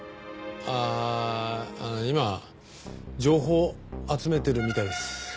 ああ今情報を集めてるみたいです。